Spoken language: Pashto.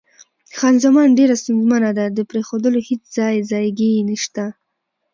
خان زمان: ډېره ستونزمنه ده، د پرېښودلو هېڅ ځای ځایګی یې نشته.